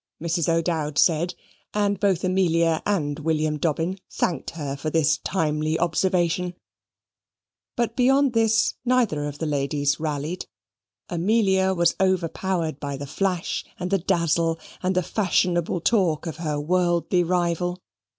Mrs. O'Dowd said; and both Amelia and William Dobbin thanked her for this timely observation. But beyond this neither of the ladies rallied. Amelia was overpowered by the flash and the dazzle and the fashionable talk of her worldly rival.